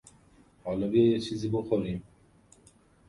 حالا بیا یه چیزی بخوریم.